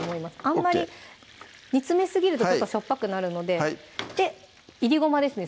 あんまり煮詰めすぎるとちょっとしょっぱくなるのでいりごまですね